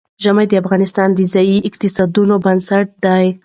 ژمی د افغانستان د ځایي اقتصادونو بنسټ دی.